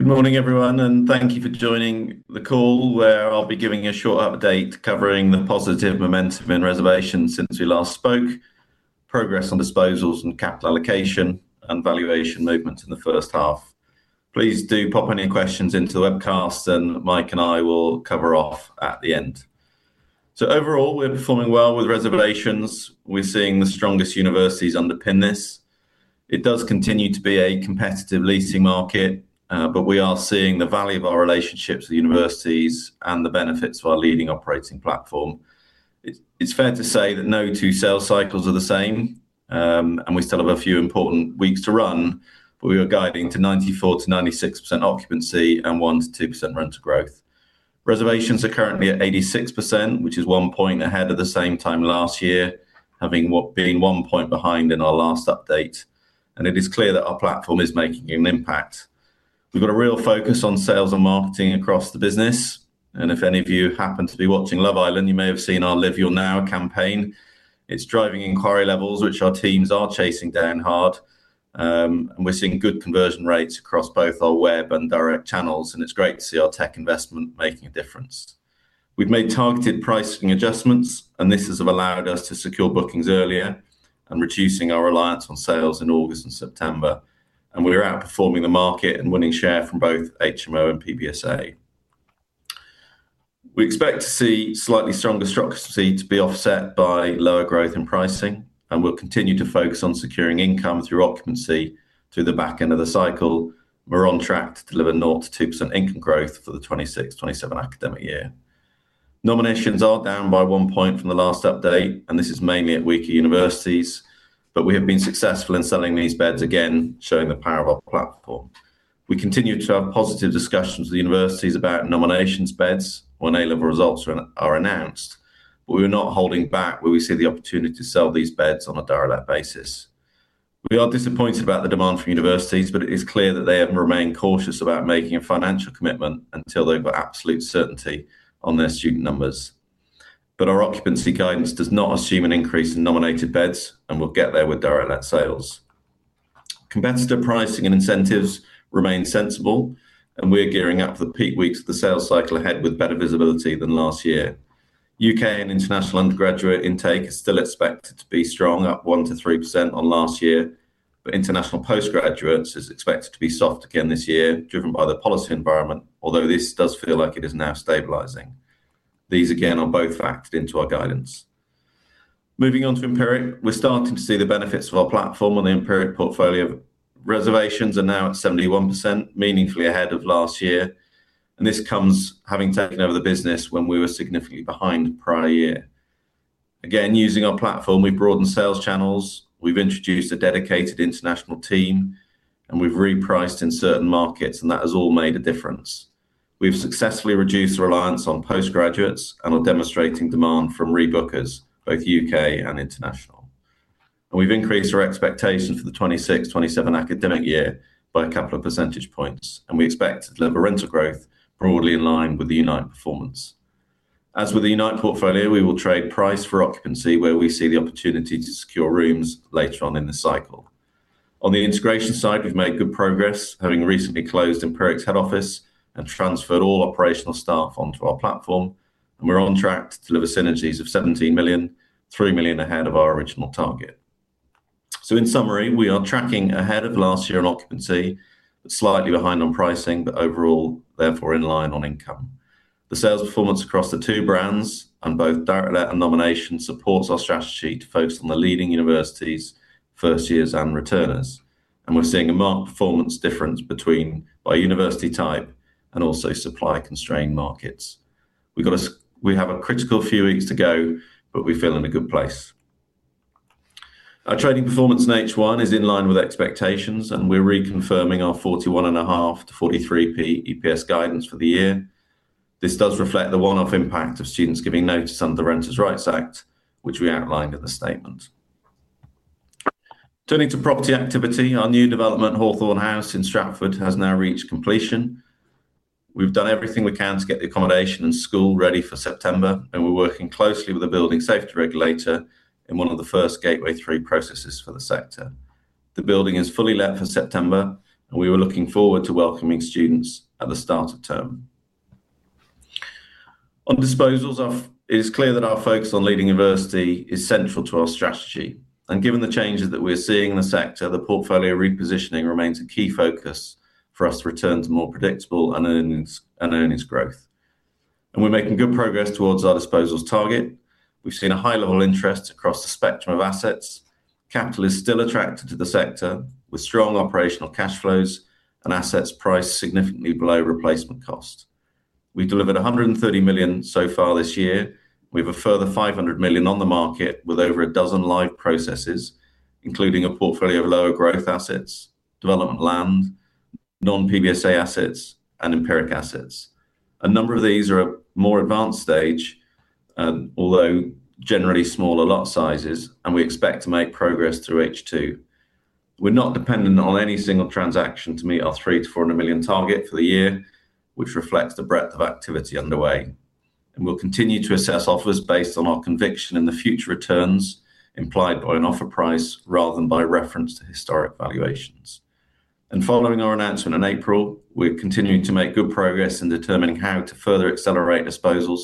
Good morning, everyone, and thank you for joining the call, where I'll be giving a short update covering the positive momentum and reservations since we last spoke, progress on disposals and capital allocation, and valuation movement in the first half. Please do pop any questions into the webcast, Mike and I will cover off at the end. Overall, we're performing well with reservations. We're seeing the strongest universities underpin this. It does continue to be a competitive leasing market, we are seeing the value of our relationships with universities and the benefits of our leading operating platform. It's fair to say that no two sales cycles are the same, we still have a few important weeks to run, we are guiding to 94%-96% occupancy and 1%-2% rental growth. Reservations are currently at 86%, which is one point ahead of the same time last year, having been one point behind in our last update. It is clear that our platform is making an impact. We've got a real focus on sales and marketing across the business, if any of you happen to be watching "Love Island," you may have seen our Live. Your. Now. campaign. It's driving inquiry levels, which our teams are chasing down hard. We're seeing good conversion rates across both our web and direct channels, it's great to see our tech investment making a difference. We've made targeted pricing adjustments, this has allowed us to secure bookings earlier and reducing our reliance on sales in August and September. We are outperforming the market and winning share from both HMO and PBSA. We expect to see slightly stronger occupancy to be offset by lower growth in pricing, we'll continue to focus on securing income through occupancy through the back end of the cycle. We're on track to deliver 0%-2% income growth for the 2026, 2027 academic year. Nominations are down by one point from the last update, this is mainly at weaker universities. We have been successful in selling these beds again, showing the power of our platform. We continue to have positive discussions with the universities about nominations beds when A-level results are announced. We are not holding back where we see the opportunity to sell these beds on a direct let basis. We are disappointed about the demand for universities, it is clear that they have remained cautious about making a financial commitment until they've got absolute certainty on their student numbers. Our occupancy guidance does not assume an increase in nominated beds, we'll get there with direct let sales. Competitive pricing and incentives remain sensible, we're gearing up for the peak weeks of the sales cycle ahead with better visibility than last year. U.K. and international undergraduate intake is still expected to be strong, up 1%-3% on last year. International postgraduates is expected to be soft again this year, driven by the policy environment, although this does feel like it is now stabilizing. These, again, are both factored into our guidance. Moving on to Empiric, we're starting to see the benefits of our platform on the Empiric portfolio. Reservations are now at 71%, meaningfully ahead of last year, this comes having taken over the business when we were significantly behind the prior year. Using our platform, we've broadened sales channels, we've introduced a dedicated international team, and we've repriced in certain markets, and that has all made a difference. We've successfully reduced reliance on postgraduates and are demonstrating demand from rebookers, both U.K. and international. We've increased our expectation for the 2026, 2027 academic year by a couple of percentage points, and we expect to deliver rental growth broadly in line with the Unite performance. As with the Unite portfolio, we will trade price for occupancy where we see the opportunity to secure rooms later on in the cycle. On the integration side, we've made good progress, having recently closed Empiric's head office and transferred all operational staff onto our platform, and we're on track to deliver synergies of 17 million, 3 million ahead of our original target. In summary, we are tracking ahead of last year on occupancy, but slightly behind on pricing, but overall, therefore in line on income. The sales performance across the two brands on both direct let and nomination supports our strategy to focus on the leading universities, first years and returners. We're seeing a marked performance difference between by university type and also supply constrained markets. We have a critical few weeks to go, but we feel in a good place. Our trading performance in H1 is in line with expectations, and we're reconfirming our 0.415-0.430 EPS guidance for the year. This does reflect the one-off impact of students giving notice under the Renters' Rights Act, which we outlined in the statement. Turning to property activity, our new development, Hawthorne House in Stratford, has now reached completion. We've done everything we can to get the accommodation and school ready for September, and we're working closely with the Building Safety Regulator in one of the first Gateway three processes for the sector. The building is fully let for September, and we are looking forward to welcoming students at the start of term. On disposals, it is clear that our focus on leading university is central to our strategy. Given the changes that we're seeing in the sector, the portfolio repositioning remains a key focus for us to return to more predictable and earnings growth. We're making good progress towards our disposals target. We've seen a high level of interest across the spectrum of assets. Capital is still attracted to the sector, with strong operational cash flows and assets priced significantly below replacement cost. We've delivered 130 million so far this year. We have a further 500 million on the market with over a dozen live processes, including a portfolio of lower growth assets, development land, non-PBSA assets, and Empiric assets. A number of these are at more advanced stage, although generally smaller lot sizes, and we expect to make progress through H2. We're not dependent on any single transaction to meet our 300 million-400 million target for the year, which reflects the breadth of activity underway. We'll continue to assess offers based on our conviction in the future returns implied by an offer price rather than by reference to historic valuations. Following our announcement in April, we're continuing to make good progress in determining how to further accelerate disposals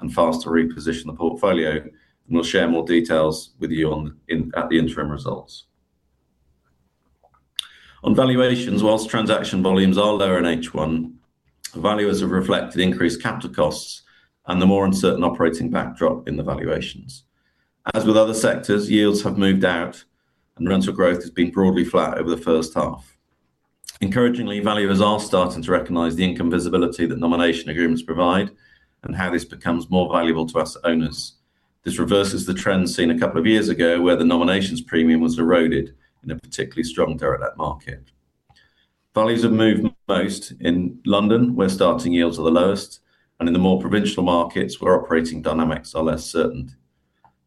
and faster reposition the portfolio, and we'll share more details with you at the interim results. On valuations, whilst transaction volumes are lower in H1, valuers have reflected increased capital costs and the more uncertain operating backdrop in the valuations. As with other sectors, yields have moved out and rental growth has been broadly flat over the first half. Encouragingly, valuers are starting to recognize the income visibility that nomination agreements provide and how this becomes more valuable to us owners. This reverses the trend seen a couple of years ago where the nominations premium was eroded in a particularly strong direct let market. Values have moved most in London, where starting yields are the lowest, and in the more provincial markets where operating dynamics are less certain.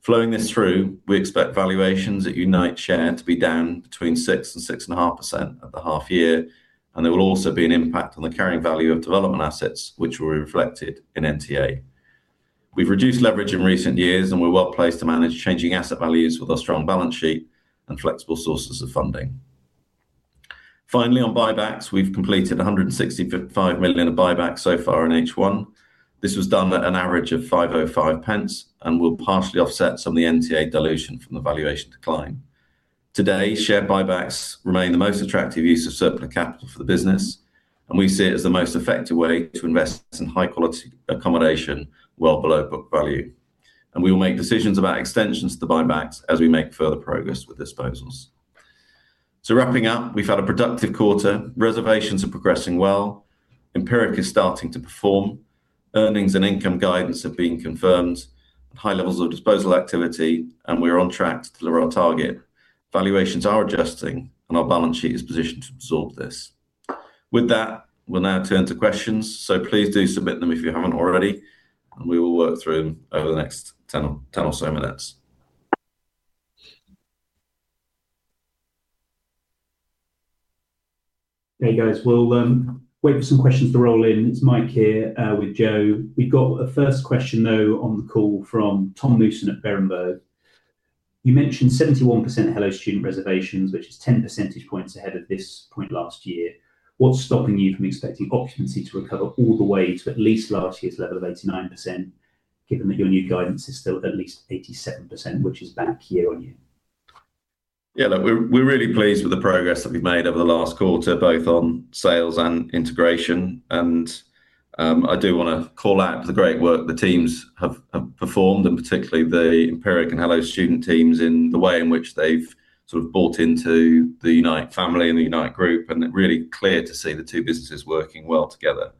Flowing this through, we expect valuations at Unite share to be down between 6% and 6.5% at the half year, and there will also be an impact on the carrying value of development assets which will be reflected in NTA. We've reduced leverage in recent years, and we're well-placed to manage changing asset values with our strong balance sheet and flexible sources of funding. Finally, on buybacks, we've completed 165 million of buybacks so far in H1. This was done at an average of 5.05 and will partially offset some of the NTA dilution from the valuation decline. Today, share buybacks remain the most attractive use of surplus capital for the business, and we see it as the most effective way to invest in high-quality accommodation well below book value. We will make decisions about extensions to the buybacks as we make further progress with disposals. Wrapping up, we've had a productive quarter. Reservations are progressing well. Empiric is starting to perform. Earnings and income guidance have been confirmed at high levels of disposal activity, and we are on track to deliver on target. Valuations are adjusting and our balance sheet is positioned to absorb this. With that, we'll now turn to questions, so please do submit them if you haven't already, and we will work through them over the next 10 or so minutes. Hey, guys. We'll wait for some questions to roll in. It's Mike here, with Joe. We've got a first question, though, on the call from Tom Lousson at Berenberg. You mentioned 71% Hello Student reservations, which is 10 percentage points ahead of this point last year. What's stopping you from expecting occupancy to recover all the way to at least last year's level of 89%, given that your new guidance is still at least 87%, which is back year-on-year? Yeah, look, we're really pleased with the progress that we've made over the last quarter, both on sales and integration. I do want to call out the great work the teams have performed, and particularly the Empiric and Hello Student teams in the way in which they've sort of bought into the Unite family and the Unite Group, and really clear to see the two businesses working well together.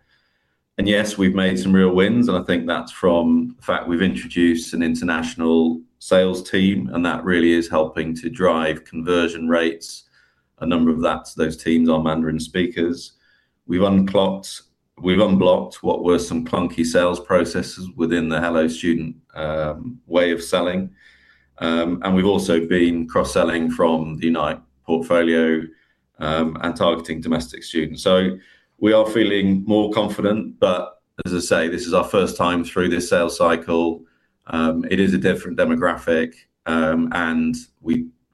Yes, we've made some real wins. I think that's from the fact we've introduced an international sales team. That really is helping to drive conversion rates. A number of those teams are Mandarin speakers. We've unblocked what were some clunky sales processes within the Hello Student way of selling. We've also been cross-selling from the Unite portfolio and targeting domestic students. We are feeling more confident, but as I say, this is our first time through this sales cycle. It is a different demographic.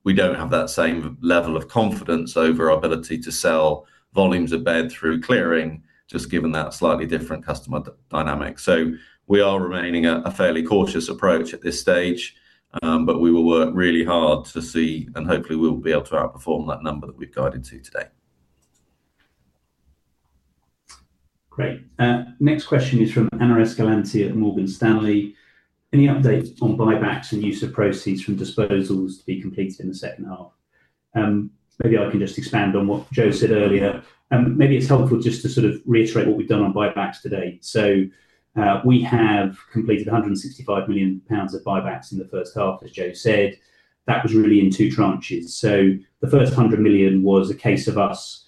We don't have that same level of confidence over our ability to sell volumes of bed through clearing, just given that slightly different customer dynamic. We are remaining at a fairly cautious approach at this stage, but we will work really hard to see, and hopefully we'll be able to outperform that number that we've guided to today. Great. Next question is from Ana Escalante at Morgan Stanley. Any update on buybacks and use of proceeds from disposals to be completed in the second half? Maybe I can just expand on what Joe said earlier, and maybe it's helpful just to sort of reiterate what we've done on buybacks to date. We have completed 165 million pounds of buybacks in the first half, as Joe said. That was really in two tranches. The first 100 million was a case of us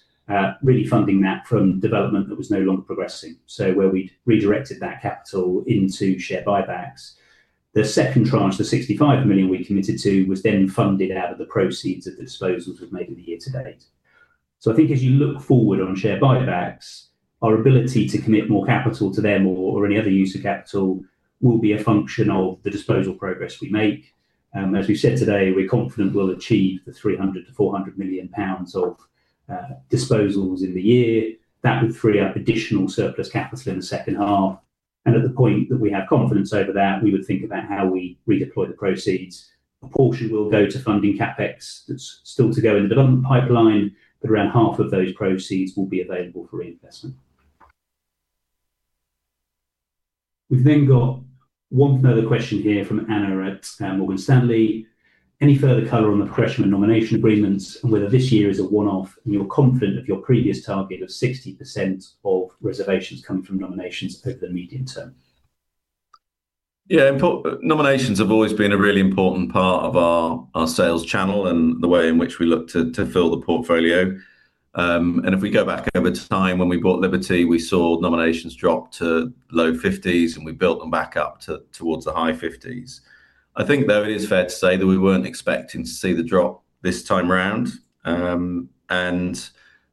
really funding that from development that was no longer progressing, where we'd redirected that capital into share buybacks. The second tranche, the 65 million we committed to, was then funded out of the proceeds of the disposals we've made in the year to date. I think as you look forward on share buybacks, our ability to commit more capital to them or any other use of capital will be a function of the disposal progress we make. As we've said today, we're confident we'll achieve the 300 million-400 million pounds of disposals in the year. That would free up additional surplus capital in the second half. At the point that we have confidence over that, we would think about how we redeploy the proceeds. A portion will go to funding CapEx that's still to go in the development pipeline, but around half of those proceeds will be available for reinvestment. We've then got one further question here from Ana at Morgan Stanley. Any further color on the progression of nomination agreements and whether this year is a one-off and you're confident of your previous target of 60% of reservations coming from nominations over the medium term? Yeah. Nominations have always been a really important part of our sales channel and the way in which we look to fill the portfolio. If we go back over to the time when we bought Liberty, we saw nominations drop to low 50s and we built them back up towards the high 50s. I think, though, it is fair to say that we weren't expecting to see the drop this time around.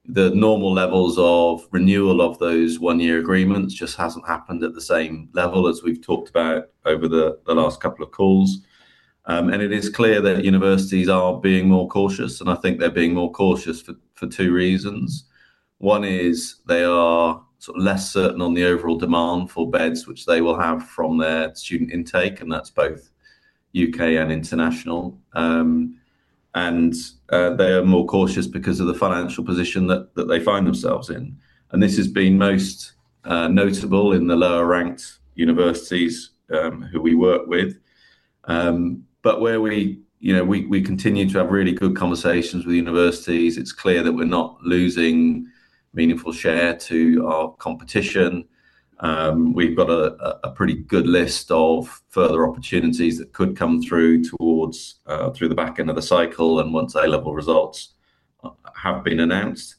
The normal levels of renewal of those one-year agreements just hasn't happened at the same level as we've talked about over the last couple of calls. It is clear that universities are being more cautious, and I think they're being more cautious for two reasons. One is they are less certain on the overall demand for beds, which they will have from their student intake, and that's both U.K. and international. They are more cautious because of the financial position that they find themselves in. This has been most notable in the lower-ranked universities who we work with. Where we continue to have really good conversations with universities, it's clear that we're not losing meaningful share to our competition. We've got a pretty good list of further opportunities that could come through towards, through the back end of the cycle once A-level results have been announced.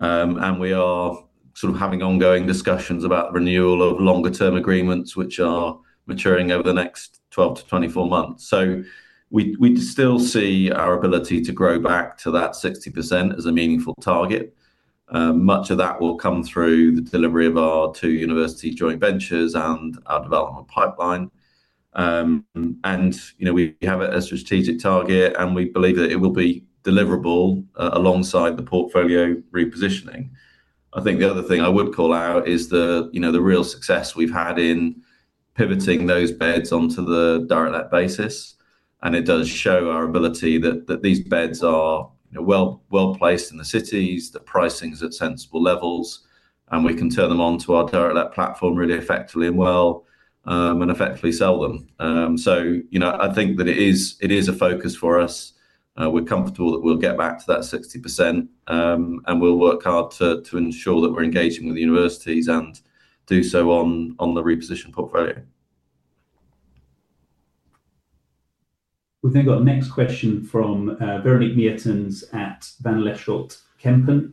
We are having ongoing discussions about renewal of longer term agreements, which are maturing over the next 12 to 24 months. We still see our ability to grow back to that 60% as a meaningful target. Much of that will come through the delivery of our two university joint ventures and our development pipeline. We have a strategic target, and we believe that it will be deliverable alongside the portfolio repositioning. I think the other thing I would call out is the real success we've had in pivoting those beds onto the direct let basis. It does show our ability that these beds are well placed in the cities, the pricing's at sensible levels, and we can turn them on to our direct let platform really effectively sell them. I think that it is a focus for us. We're comfortable that we'll get back to that 60%, and we'll work hard to ensure that we're engaging with the universities and do so on the repositioned portfolio. We've then got a next question from Véronique Meertens at Van Lanschot Kempen.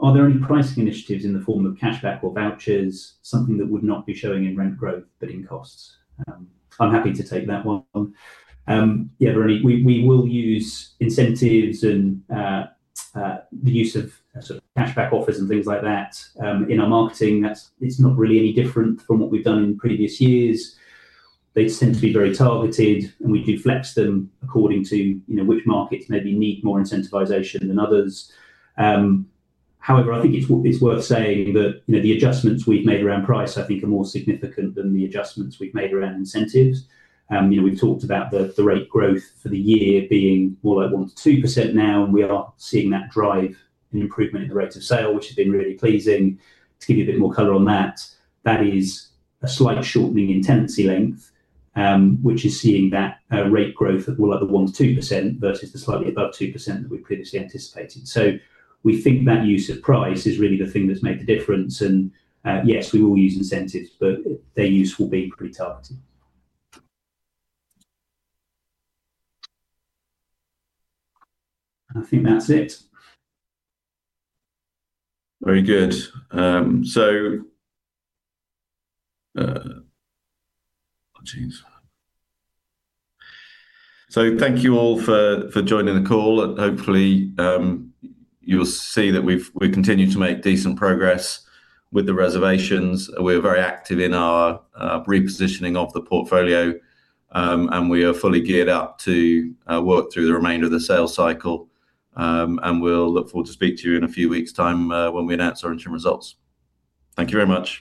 Are there any pricing initiatives in the form of cashback or vouchers, something that would not be showing in rent growth, but in costs? I'm happy to take that one. Yeah, Veronique, we will use incentives and the use of cashback offers and things like that in our marketing. It's not really any different from what we've done in previous years. They tend to be very targeted, and we do flex them according to which markets maybe need more incentivization than others. However, I think it's worth saying that the adjustments we've made around price, I think, are more significant than the adjustments we've made around incentives. We've talked about the rate growth for the year being more like 1%-2% now. We are seeing that drive an improvement in the rates of sale, which has been really pleasing. To give you a bit more color on that is a slight shortening in tenancy length, which is seeing that rate growth of more like the 1%-2% versus the slightly above 2% that we previously anticipated. We think that use of price is really the thing that's made the difference. Yes, we will use incentives, but their use will be pretty targeted. I think that's it. Very good. Thank you all for joining the call. Hopefully, you'll see that we continue to make decent progress with the reservations. We're very active in our repositioning of the portfolio. We are fully geared up to work through the remainder of the sales cycle. We'll look forward to speak to you in a few weeks time when we announce our interim results. Thank you very much